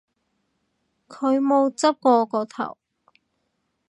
佢冇執過我個頭